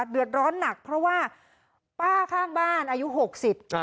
เดือดร้อนหนักเพราะว่าป้าข้างบ้านอายุหกสิบ